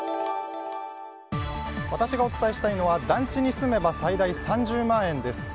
私がお伝えしたいのは団地に住めば最大３０万円です。